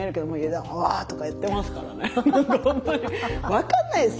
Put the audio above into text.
分かんないです